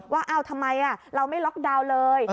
ว่าทำไมเราไม่ล็อกดาวน์เลย